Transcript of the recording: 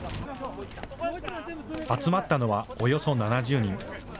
集まったのは、およそ７０人。